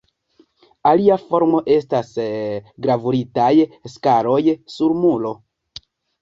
Alia formo estas gravuritaj skaloj sur muro.